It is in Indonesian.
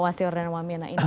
wasior dan wamena ini